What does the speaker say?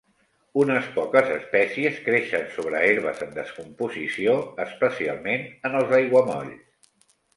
Unes poques espècies creixen sobre herbes en descomposició, especialment en els aiguamolls.